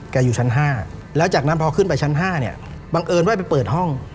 อยู่ชั้น๕แล้วจากนั้นพอขึ้นไปชั้น๕เนี่ยบังเอิญว่าไปเปิดห้อง